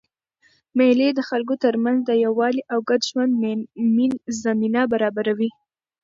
مېلې د خلکو ترمنځ د یووالي او ګډ ژوند زمینه برابروي.